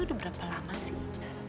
udah berapa lama sih